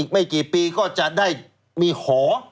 ไม่กี่ปีก็จะได้มีหอ